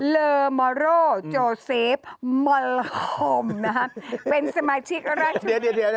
เลอมอโรโจเซฟมัลฮมนะครับเป็นสมาชิกราชเดี๋ยวเดี๋ยวเดี๋ยว